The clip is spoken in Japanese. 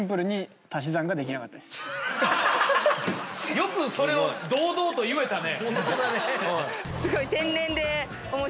よくそれを堂々と言えたね。